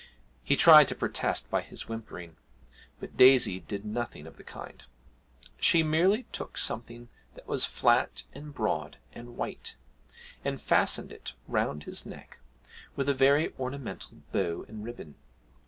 He tried to protest by his whimpering. But Daisy did nothing of the kind; she merely took something that was flat and broad and white, and fastened it round his neck with a very ornamental bow and ribbon.